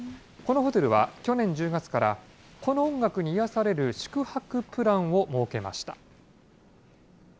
このホテルは去年１０月から、この音楽に癒やされる宿泊プランを設けました。